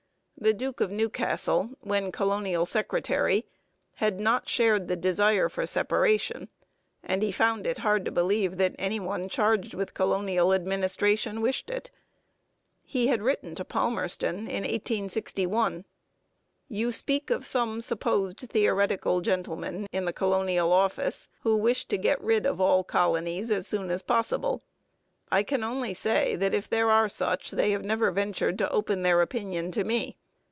The Duke of Newcastle, when colonial secretary, had not shared the desire for separation, and he found it hard to believe that any one charged with colonial administration wished it. He had written to Palmerston in 1861: You speak of some supposed theoretical gentlemen in the colonial office who wish to get rid of all colonies as soon as possible. I can only say that if there are such they have never ventured to open their opinion to me.